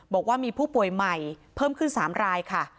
บอกว่ามีผู้ป่วยใหม่เพิ่มขึ้น๓รายค่ะ